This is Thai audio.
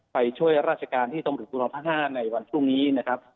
ไปช่วยราชกรรมที่ตรงบุตรอัน๕ในวันพรุ่งนี้นะครับ